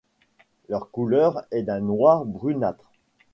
Leur couleur est d'un noir brunâtre.